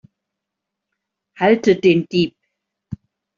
Haltet den Dieb!